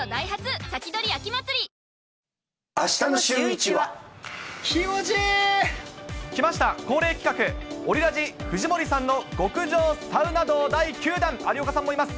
気持ちいい。来ました、恒例企画、オリラジ・藤森さんの極上サウナ道第９弾、有岡さんもいます。